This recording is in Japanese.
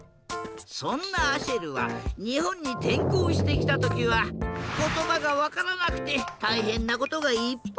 そんなアシェルはにほんにてんこうしてきたときはことばがわからなくてたいへんなことがいっぱいあったんだ。